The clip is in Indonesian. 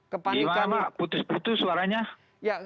gimana pak putus putus suaranya